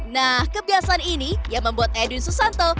nah kebiasaan ini yang membuat edwin susanto